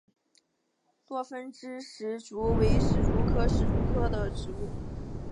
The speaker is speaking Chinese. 多分枝石竹为石竹科石竹属的植物。